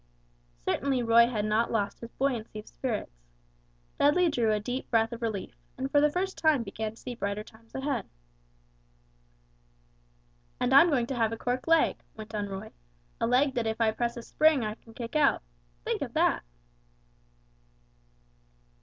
Certainly Roy had not lost his buoyancy of spirits. Dudley drew a deep breath of relief, and for the first time began to see brighter times ahead. "And I'm going to have a cork leg," went on Roy, "a leg that if I press a spring I can kick out. Think of that!"